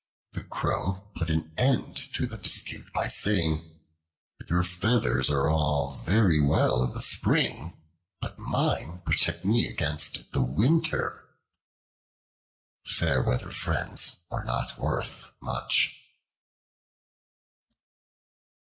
The Crow put an end to the dispute by saying, "Your feathers are all very well in the spring, but mine protect me against the winter." Fair weather friends are not worth much.